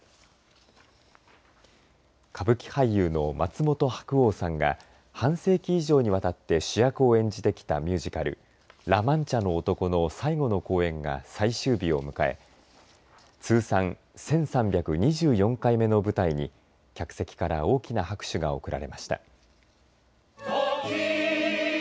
歌舞伎俳優の松本白鸚さんが半世紀以上にわたって主役を演じてきたミュージカルラ・マンチャの男の最後の公演が最終日を迎え通算１３２４回目の舞台に客席から大きな拍手が送られました。